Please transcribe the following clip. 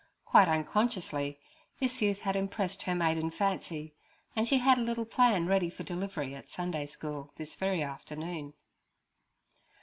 Quite unconsciously, this youth had impressed her maiden fancy, and she had a little plan ready for delivery at Sunday school this very afternoon.